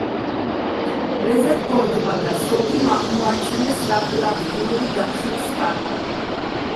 რეზერფორდმა და სოდიმ აღმოაჩინეს რადიოაქტიური დაშლის კანონი.